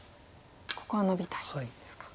ここはノビたいですか。